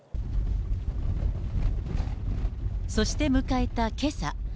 そして迎えたけさ。